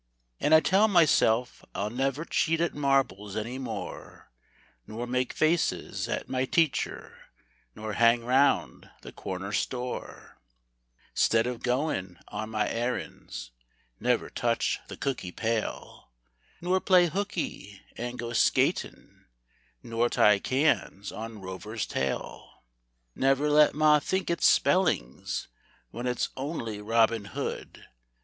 An' I tell myself I'll never Cheat at marbles any more, Nor make faces at my teacher, Nor hang round the corner store 'Stead of goin' on my errands; Never touch the cookie pail, Nor play hooky an' go skatin', Nor tie cans on Rover's tail; Never let ma think it's spellings When it's only Robin Hood.